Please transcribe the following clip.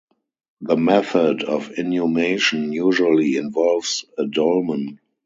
The method of inhumation usually involves a dolmen.